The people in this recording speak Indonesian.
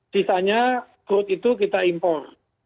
sisanya perut itu kita impor